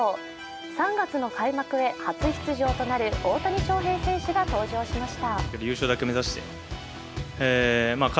３月の開幕へ、初出場となる大谷翔平選手が登場しました。